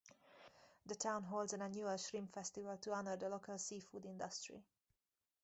The town holds an annual Shrimp Festival to honor the local seafood industry.